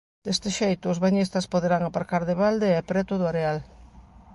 Deste xeito, os bañistas poderán aparcar de balde e preto do areal.